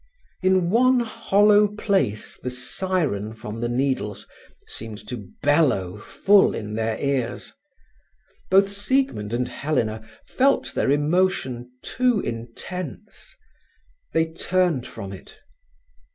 In one hollow place the siren from the Needles seemed to bellow full in their ears. Both Siegmund and Helena felt their emotion too intense. They turned from it.